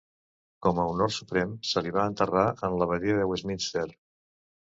Com a honor suprem, se li va enterrar en l'abadia de Westminster.